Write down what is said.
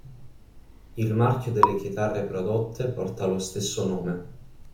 Il marchio delle chitarre prodotte porta lo stesso nome.